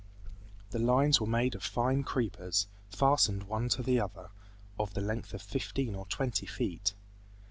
The lines were made of fine creepers, fastened one to the other, of the length of fifteen or twenty feet.